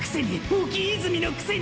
ポキ泉のくせに！！